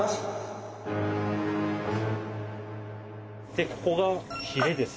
でここがひれです。